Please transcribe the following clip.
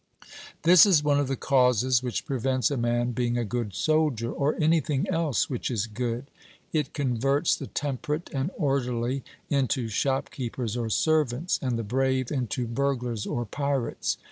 This is one of the causes which prevents a man being a good soldier, or anything else which is good; it converts the temperate and orderly into shopkeepers or servants, and the brave into burglars or pirates.